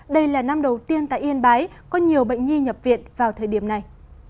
đây là năm đầu tiên tại yên bái có nhiều bệnh nhi nhập viện vào thời điểm này